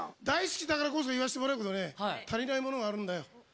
大好きだから言わせてもらうけどね、足りないものがあるんだよ。